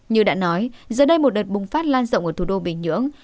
như đã nói giờ đây một đợt bùng phát lan rộng ở thủ đô bình nhưỡng